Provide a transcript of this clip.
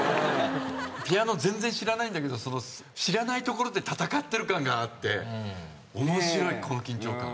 ピアノ全然知らないんだけど知らないところで戦ってる感があって面白いこの緊張感。